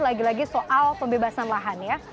lagi lagi soal pembebasan lahan ya